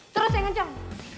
terus yang kenceng